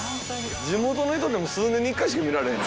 地元の人でも数年に一回しか見られへん。